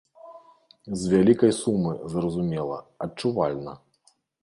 З вялікай сумы, зразумела, адчувальна.